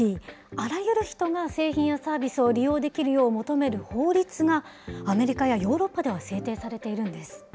あらゆる人が製品やサービスを利用できるよう求める法律が、アメリカやヨーロッパでは制定されているんです。